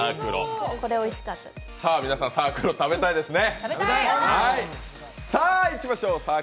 皆さん、サークロ、食べたいですね？